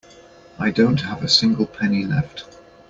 I don't have a single penny left.